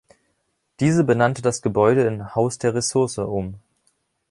Diese benannte das Gebäude in “Haus der Ressource” um.